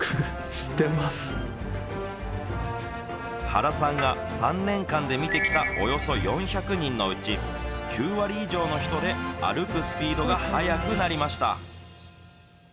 原さんが、３年間で診てきたおよそ４００人のうち、９割以上の人で歩くスピードが速くなりました。